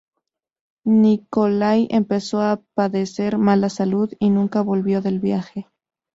Nikolái empezó a padecer mala salud y nunca volvió del viaje.